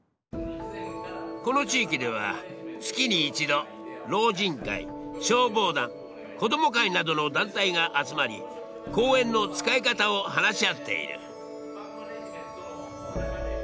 この地域では月に１度老人会消防団子供会などの団体が集まり公園の使い方を話し合っている。